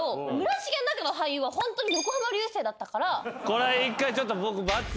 これは一回ちょっと。